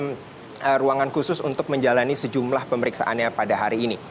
menggunakan ruangan khusus untuk menjalani sejumlah pemeriksaannya pada hari ini